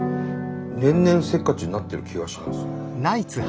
年々せっかちになってる気がしますね。